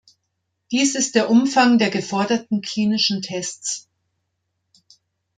Dies ist der Umfang der geforderten klinischen Tests.